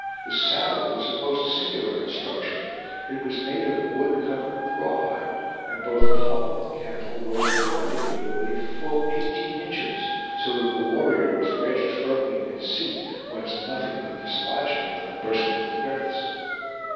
The saddle was of most singular construction; it was made of wood covered with raw hide, and both pommel and cantle rose perpendicularly full eighteen inches, so that the warrior was wedged firmly in his seat, whence nothing could dislodge him but the bursting of the girths.